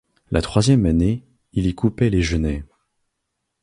La troisième année, ils y coupaient les genêts.